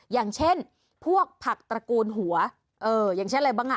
อย่างเช่นพวกผักตระกูลหัวอย่างเช่นอะไรบ้างอ่ะ